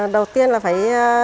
đầu tiên là phải